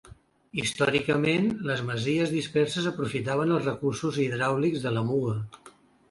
Històricament, les masies disperses aprofitaven els recursos hidràulics de la Muga.